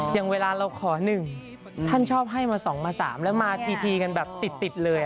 อย่างเวลาเราขอ๑ท่านชอบให้มา๒มา๓แล้วมาทีกันแบบติดเลย